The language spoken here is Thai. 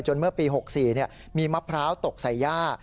เมื่อปี๖๔มีมะพร้าวตกใส่ย่า